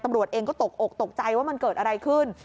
ตำรวจเองก็ตกอกตกใจว่ามันเกิดอะไรขึ้น